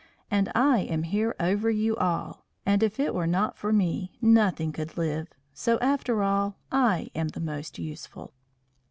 And I am here over you all, and if it were not for me nothing could live, so, after all, I am the most useful.